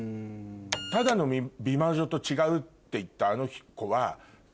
ただの美魔女と違うって言ったあの子は。